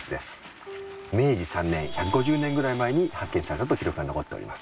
明治３年１５０年ぐらい前に発見されたと記録が残っております。